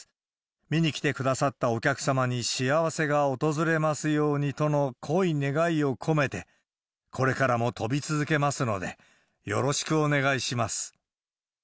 見に来てくださったお客様に幸せが訪れますようにとのこいねがいを込めて、これからも飛び続けますので、よろしくお願いします。